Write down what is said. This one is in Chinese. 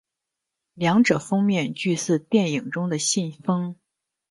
两者封面俱似电影中的信封。